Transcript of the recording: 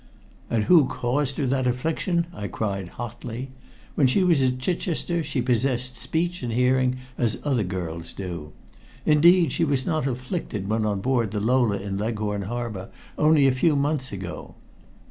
"And who caused her that affliction?" I cried hotly. "When she was at Chichester she possessed speech and hearing as other girls. Indeed, she was not afflicted when on board the Lola in Leghorn harbor only a few months ago.